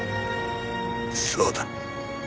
そうだ。